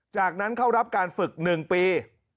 จากนั้นเข้ารับการฝึก๑ปี